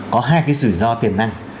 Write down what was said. có hai cái rủi ro tiền năng